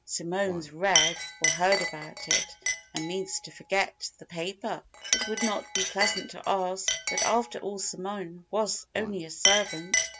"Simone's read, or heard about it, and means to 'forget' the paper." It would not be pleasant to ask, but after all Simone was only a servant!